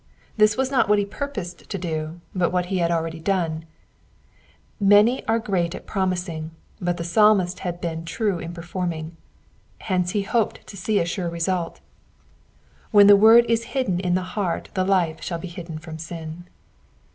This was not what he purposed to do, but what he had already done : many are great at promising, but the Psalmist had been true in performing : hence he hoped to see a sure result. When the word is hidden in the heart the life shall be hidden from sin.